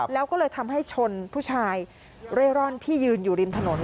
แล้วก็เลยทำให้ชนผู้ชายเร่ร่อนที่ยืนอยู่ริมถนน